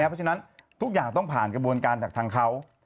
เพราะฉะนั้นทุกอย่างต้องผ่านกระบวนการจากทางเขา